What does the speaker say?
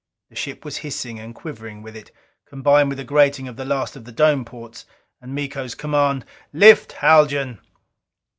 The ship was hissing and quivering with it, combined with the grating of the last of the dome ports. And Miko's command: "Lift, Haljan!"